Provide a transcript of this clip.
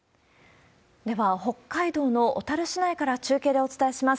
では、北海道の小樽市内から中継でお伝えします。